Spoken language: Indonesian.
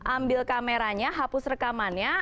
ambil kameranya hapus rekamannya